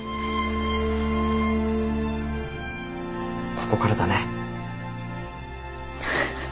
ここからだね。